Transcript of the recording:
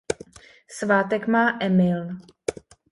Svátek má Emil.